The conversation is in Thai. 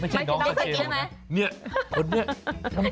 ไม่ใช่น้องเจ๊นี่เพราะนี่